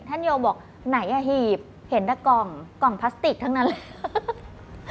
ท่านโยมบอกไหนอ่ะหีบเห็นแต่กล่องพลาสติกทั้งนั้นเลย